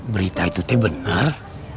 berita itu benar